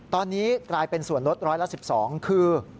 ตอนนี้กลายเป็นส่วนลดร้อยละ๑๒คือ